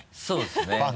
そうですね。